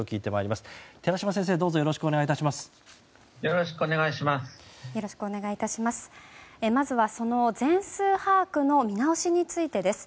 まずは、全数把握の見直しについてです。